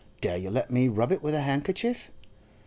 Dare you let me rub it with a handkerchief?